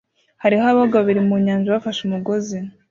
Hariho aboga babiri mu nyanja bafashe umugozi